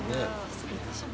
失礼いたします。